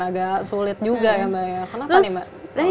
agak sulit juga ya mbak ya